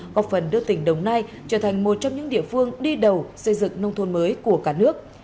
góp phần đưa tỉnh đồng nai trở thành một trong những địa phương đi đầu xây dựng nông thôn mới của cả nước